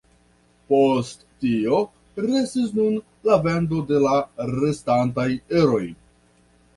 Post tio restis nur la vendo de la restantaj eroj.